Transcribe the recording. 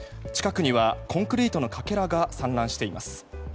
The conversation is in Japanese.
近くにはコンクリートのかけらが散乱しています。